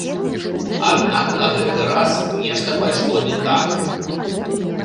Аднак на гэты раз нешта пайшло не так.